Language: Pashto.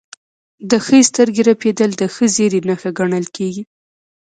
د ښي سترګې رپیدل د ښه زیری نښه ګڼل کیږي.